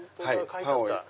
書いてあった。